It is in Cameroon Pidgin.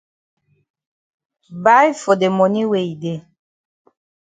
Buy for de moni wey e dey.